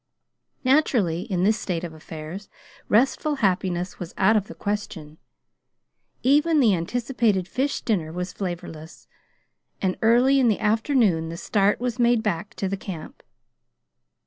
Naturally, in this state of affairs, restful happiness was out of the question. Even the anticipated fish dinner was flavorless; and early in the afternoon the start was made back to the camp.